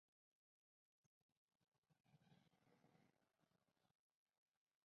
It was with large villas for the upper middle class.